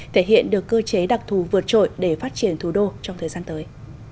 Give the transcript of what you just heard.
thể hiện được cơ chế đặc thù vượt trội để phát triển thủ đô trong thời gian tới